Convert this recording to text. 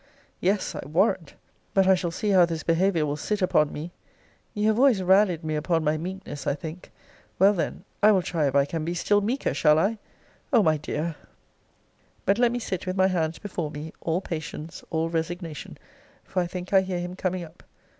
Yes, I warrant! But I shall see how this behaviour will sit upon me! You have always rallied me upon my meekness, I think: well then, I will try if I can be still meeker, shall I! O my dear! But let me sit with my hands before me, all patience, all resignation; for I think I hear him coming up.